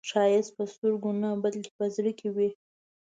ښایست په سترګو نه، بلکې په زړه کې وي